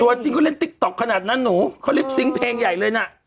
จริงเขาเล่นติ๊กต๊อกขนาดนั้นหนูเขาลิปซิงค์เพลงใหญ่เลยน่ะ